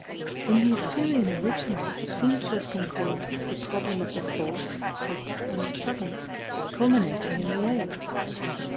"In the Assyr ian originals it seems to have been called 'The prob lem of the Fourth, Sixth and Seventh, culminating in the Eighth.'